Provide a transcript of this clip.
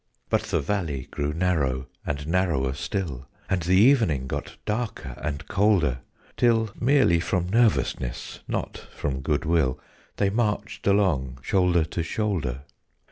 But the valley grew narrow and narrower still, And the evening got darker and colder, Till (merely from nervousness, not from good will) They marched along shoulder to shoulder.